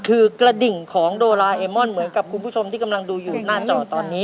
คือกระดิ่งของโดราเอมอนเหมือนกับคุณผู้ชมที่กำลังดูอยู่หน้าจอตอนนี้